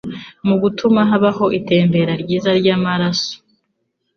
mu gutuma habaho itembera ryiza ry'amaraso